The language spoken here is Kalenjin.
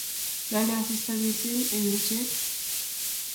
Lolei asista missing eng ilchet